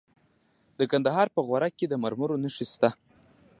د کندهار په غورک کې د مرمرو نښې شته.